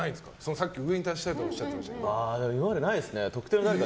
さっき上に立ちたいっておっしゃってましたけど。